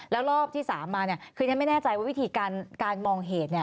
แล้วรอบที่๓มาคือฉันไม่แน่ใจว่าวิธีการมองเหตุ